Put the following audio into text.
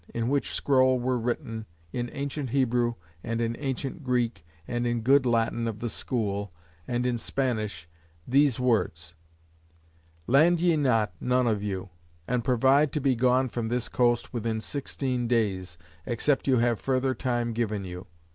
In which scroll were written in ancient Hebrew, and in ancient Greek, and in good Latin of the school, and in Spanish, these words: Land ye not, none of you; and provide to be gone from this coast, within sixteen days, except you have further time given you.